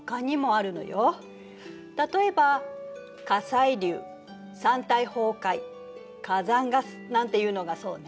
例えば火砕流山体崩壊火山ガスなんていうのがそうね。